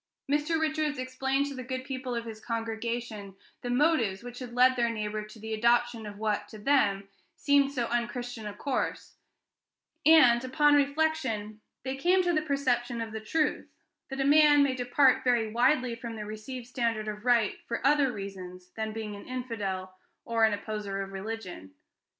Mr. Richards explained to the good people of his congregation the motives which had led their neighbor to the adoption of what, to them, seemed so unchristian a course; and, upon reflection, they came to the perception of the truth, that a man may depart very widely from the received standard of right for other reasons than being an infidel or an opposer of religion.